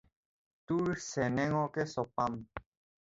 তোৰ চেনেঙকে চপাম